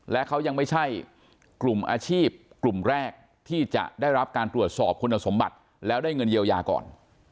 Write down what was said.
และเขายังไม่ใช่กลุ่มอาชีพกลุ่มแรกที่จะได้รับการตรวจสอบคุณสมบัติแล้วได้เงินเยียวยาก่อน